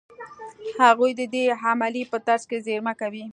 هغوی د دې عملیې په ترڅ کې زېرمه کوي.